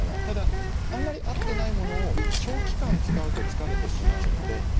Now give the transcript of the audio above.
ただあんまり合ってないものを長期間使うと疲れてしまうので。